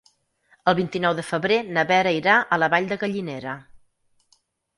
El vint-i-nou de febrer na Vera irà a la Vall de Gallinera.